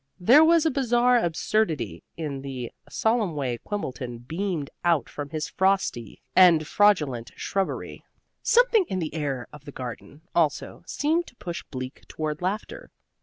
There was a bizarre absurdity in the solemn way Quimbleton beamed out from his frosty and fraudulent shrubbery. Something in the air of the garden, also, seemed to push Bleak toward laughter.